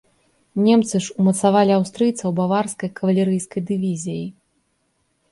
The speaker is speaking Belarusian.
Немцы ж умацавалі аўстрыйцаў баварскай кавалерыйская дывізіяй.